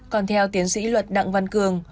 còn theo tiến sĩ luật đặng văn cường